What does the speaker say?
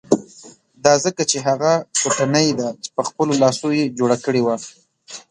دا ځکه چې هغه کوټنۍ ده چې په خپلو لاسو یې جوړه کړې وه.